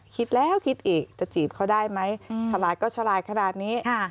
คิดแล้วคิดอีกจะจีบเขาได้ไหมฉลาดก็ฉลาดขนาดนี้